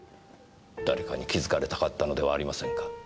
誰かに気づかれたかったのではありませんか？